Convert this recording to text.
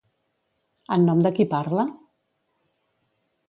En nom de qui parla?